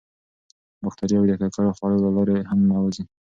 باکتریاوې د ککړو خوړو له لارې هم ننوځي.